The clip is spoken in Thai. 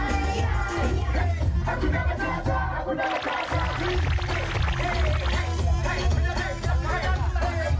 สวัสดีคุณผู้ชมค่ะ